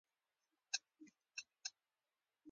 احمد ښې قطعې نه وېشي؛ ما ته سم لاس نه راکوي.